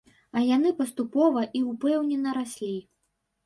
А яны паступова і ўпэўнена раслі.